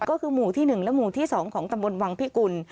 ก็คือหมู่ที่๑และหมู่ที่๒ของตำบลวังพิกุล